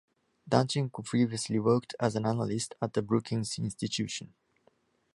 Danchenko previously worked as an analyst at the Brookings Institution.